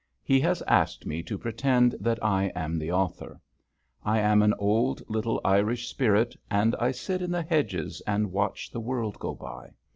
He has asked me to pretend that I am the author. I am an old little Irish spirit, and I sit in the hedges and watch the world go by.